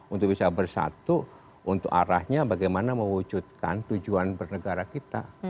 untuk bisa bersatu untuk arahnya bagaimana mewujudkan tujuan bernegara kita